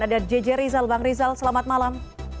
ada jj rizal bang rizal selamat malam